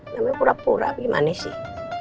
namanya pura pura gimana sih